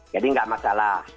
jadi enggak masalah